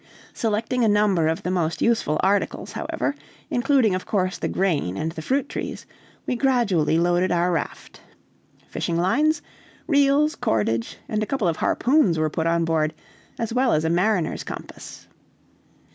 Selecting a number of the most useful articles, however, including of course the grain and the fruit trees, we gradually loaded our raft. Fishing lines, reels, cordage, and a couple of harpoons were put on board, as well as a mariner's compass.